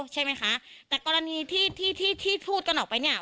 ใช่ไหมคะแต่กรณีที่ที่พูดกันออกไปเนี่ย